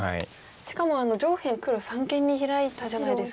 しかも上辺黒三間にヒラいたじゃないですか。